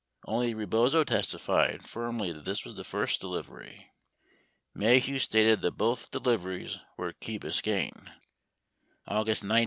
Only Rebozo testified firmly that this was the first delivery. Maheu stated that both de liveries were at Key Biscayne.